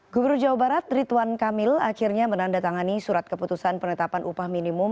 gubernur jawa barat rituan kamil akhirnya menandatangani surat keputusan penetapan upah minimum